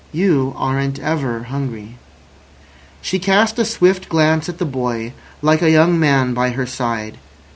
You aren't ever hungry." She cast a swift glance at the boy, like a young man, by her side.